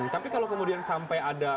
tapi kalau kemudian sampai ada